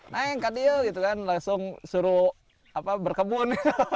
neng kak dio gitu kan langsung suruh berkebun